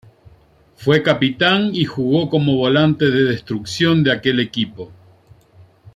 Fue capitán y jugó como volante de destrucción de aquel equipo.